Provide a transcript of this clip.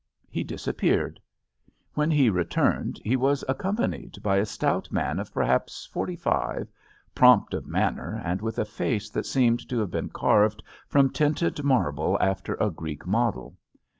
He disappeared. When he returned he was accompanied by a stout man of per haps forty five, prompt of manner and with a face that seemed to have been carved from tinted marble after a Greek model.